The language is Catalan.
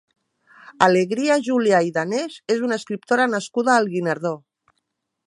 Alegria Julià i Danés és una escriptora nascuda al Guinardó.